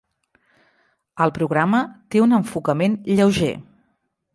El programa té un enfocament lleuger.